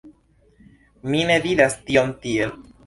Mi ne vidas tion tiel.